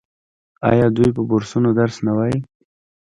آیا دوی په بورسونو درس نه وايي؟